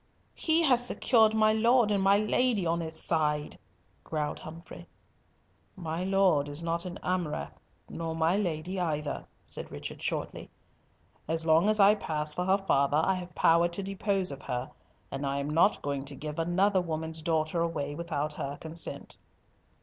"He has secured my Lord and my Lady on his side!" growled Humfrey. "My Lord is not an Amurath, nor my Lady either," said Richard, shortly. "As long as I pass for her father I have power to dispose of her, and I am not going to give another woman's daughter away without her consent."